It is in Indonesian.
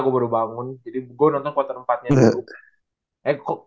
gue baru bangun jadi gue nonton kuartal empat nya